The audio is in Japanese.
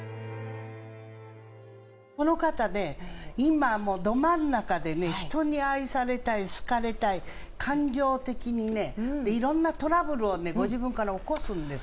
この方ね、今もうど真ん中で、人に愛されたい、好かれたい、感情的にね、いろんなトラブルをご自分から起こすんです。